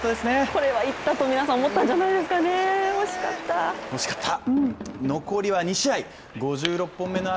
これはいったと皆さん思ったんじゃないですかね、惜しかった。